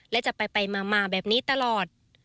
และจะไปมาแบบนี้ตลอด